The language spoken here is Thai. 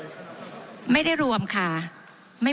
ผมจะขออนุญาตให้ท่านอาจารย์วิทยุซึ่งรู้เรื่องกฎหมายดีเป็นผู้ชี้แจงนะครับ